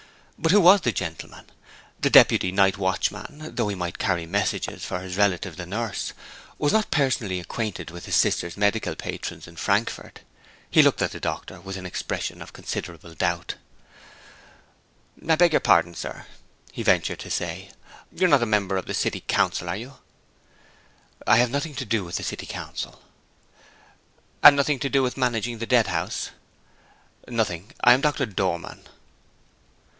But who was the gentleman? The deputy night watchman (though he might carry messages for his relative the nurse) was not personally acquainted with his sister's medical patrons in Frankfort. He looked at the doctor with an expression of considerable doubt. "I beg your pardon, sir," he ventured to say, "you're not a member of the city council, are you?" "I have nothing to do with the city council." "And nothing to do with managing the Deadhouse?" "Nothing. I am Doctor Dormann."